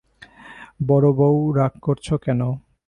বড়োবউ, রাগ করছ কেন?